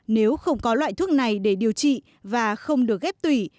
nếu không có loại thuốc này để điều trị và không được ghép tùy